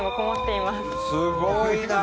すごいな！